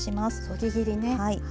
そぎ切りねはい。